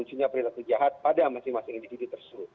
maksudnya pelaku kejahat pada masing masing individu tersebut